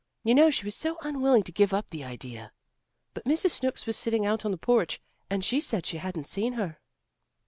You know she was so unwilling to give up the idea. But Mrs. Snooks was sitting out on the porch, and she said she hadn't seen her."